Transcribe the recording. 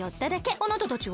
あなたたちは？